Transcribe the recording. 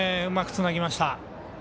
うまくつなぎました。